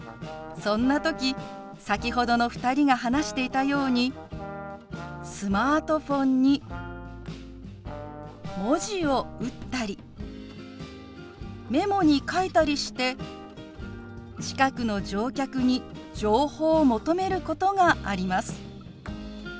そんな時先ほどの２人が話していたようにスマートフォンに文字を打ったりメモに書いたりして近くの乗客に情報を求めることがあります。